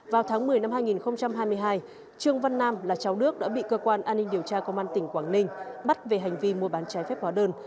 vào tháng một mươi năm hai nghìn hai mươi hai trương văn nam là cháu đức đã bị cơ quan an ninh điều tra công an tỉnh quảng ninh bắt về hành vi mua bán trái phép hóa đơn